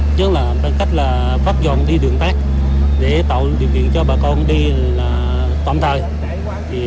chứ không làm bằng cách là phát dọn đi đường tác để tạo điều kiện cho bà con đi toàn thời